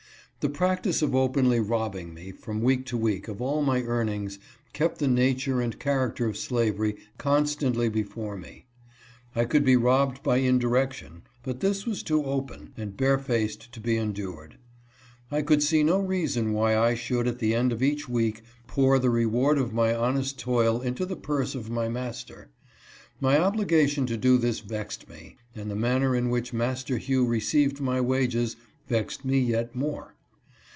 The practice of openly robbing me, from week to week, of all my earn ings, kept the nature and character of slavery constantly before me. I could be robbed by indirection, but this was too open and barefaced to be endured. I could see no reason why I should, at the end of each week, pour the reward of my honest toil into the purse of my master. My obligation to do this vexed me, and the manner in which Master Hugh received my wages vexed me yet more.